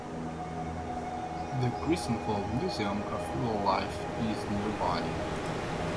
The Gressenhall Museum of Rural Life is nearby.